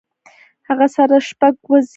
هغۀ سره شپږ وزې دي